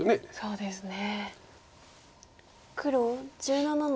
そうですね。